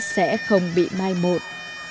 sẽ không bị mai một